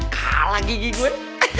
kalah gigi gue